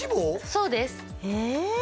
そうですへえ